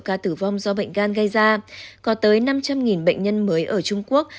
ca tử vong do bệnh gan gây ra có tới năm trăm linh bệnh nhân mới ở trung quốc